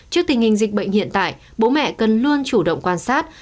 trước tình hình dịch bệnh hiện tại bố mẹ cần luôn chủ động quan sát